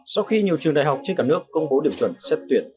sau khi nhiều trường đại học trên cả nước công bố điểm chuẩn xét tuyển